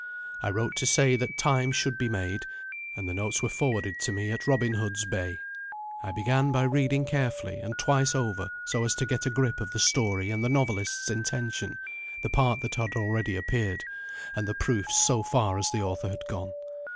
I wrote to say that time should be made, and the notes were forwarded to me at Robin Hood's Bay. I began by reading carefully and twice over, so as to get a grip of the story and the novelist's intention, the part that had already appeared, and the proofs so far as the author had gone.